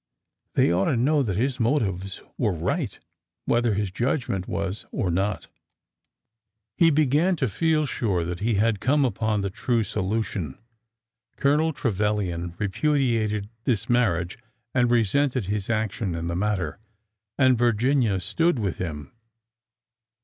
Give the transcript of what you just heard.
They ought to know that his motives were right, whether his judgment was or not. He began to feel sure that he had come upon the true solution. Colonel Trevilian repudiated this marriage and resented his action in the matter, and Virginia stood with him.